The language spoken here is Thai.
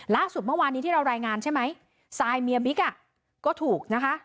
ล่าสุดเมื่อวานนี้ที่เรารายงานใช่ไหมทรายเมียบิ๊กอ่ะก็ถูกนะคะ